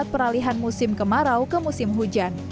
peralihan musim kemarau ke musim hujan